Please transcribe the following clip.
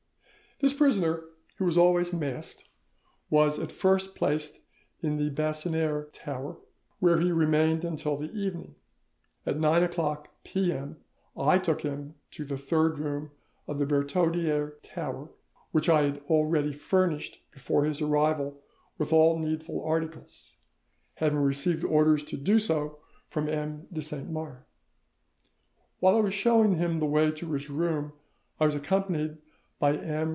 This prisoner, who was always masked, was at first placed in the Bassiniere tower, where he remained until the evening. At nine o'clock p.m. I took him to the third room of the Bertaudiere tower, which I had had already furnished before his arrival with all needful articles, having received orders to do so from M. de Saint Mars. While I was showing him the way to his room, I was accompanied by M.